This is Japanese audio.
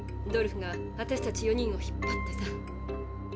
ドルフが私たち４人を引っ張ってさ。